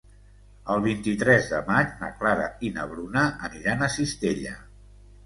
El vint-i-tres de maig na Clara i na Bruna aniran a Cistella.